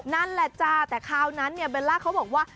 นั่นแหละจ้าแต่คราวนั้นเนี่ยเบลล่าเขาบอกว่า